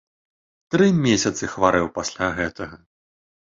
Тры месяцы хварэў пасля гэтага.